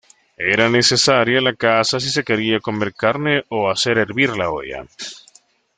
Era necesaria la caza si se quería comer carne o hacer hervir la olla.